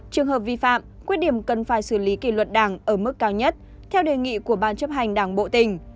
trường hợp vi phạm quyết điểm cần phải xử lý kỷ luật đảng ở mức cao nhất theo đề nghị của ban chấp hành đảng bộ tỉnh